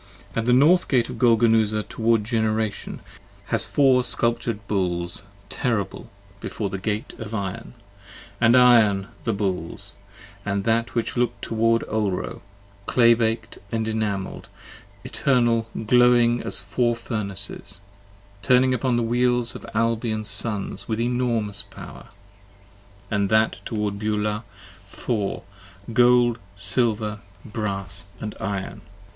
And the North Gate of Golgonooza toward Generation, Has four sculptur'd Bulls, terrible, before the Gate of iron, And iron, the Bulls: and that which looks toward Ulro, Clay bak'd & enamel'd, eternal glowing as four furnaces: 65 Turning upon the Wheels of Albion's sons with enormous power. 66 And that toward Beulah four, gold, silver, brass, & iron: ii p.